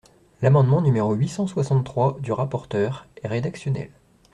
L’amendement numéro huit cent soixante-trois du rapporteur est rédactionnel.